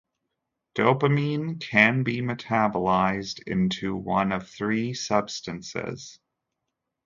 Dopamine can be metabolized into one of three substances.